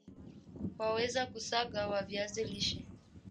waweza kusaga wa viazi lishe